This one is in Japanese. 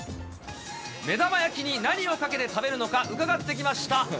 目玉焼きに何をかけて食べるのか、伺ってきました。